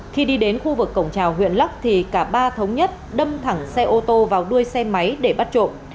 khi đi đến khu vực cổng trào huyện lắc thì cả ba thống nhất đâm thẳng xe ô tô vào đuôi xe máy để bắt trộm